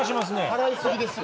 払いすぎですよ。